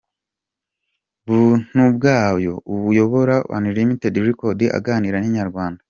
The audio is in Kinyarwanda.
Buntubwayo uyobora Unlimited Record aganira na Inyarwanda.